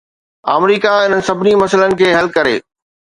آمريڪا انهن سڀني مسئلن کي حل ڪري